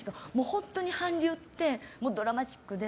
本当に韓流ってドラマチックで